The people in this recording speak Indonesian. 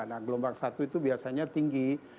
nah gelombang satu itu biasanya tinggi